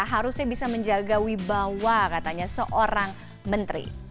harusnya bisa menjaga wibawa katanya seorang menteri